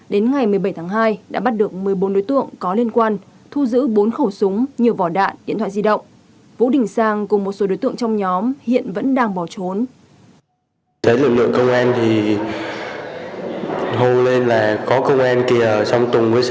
đến ngày một mươi bảy tháng hai đã bắt được một mươi bốn đối tượng có liên quan thu giữ bốn khẩu súng nhiều vỏ đạn điện thoại di động vũ đình sang cùng một số đối tượng trong nhóm hiện vẫn đang bỏ trốn